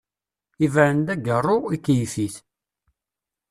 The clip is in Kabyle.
Ibren-d agaru, ikyef-it.